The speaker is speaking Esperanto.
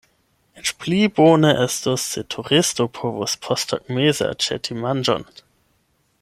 Eĉ pli bone estus, se turisto povus posttagmeze aĉeti manĝon.